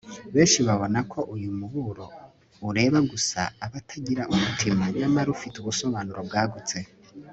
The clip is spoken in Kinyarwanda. benshi babona ko uyu muburo ureba gusa abatagira umutima. nyamara ufite ubusobanuro bwagutse